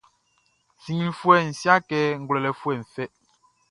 Siglifoué siâkê nʼglwêlêfoué fɛ.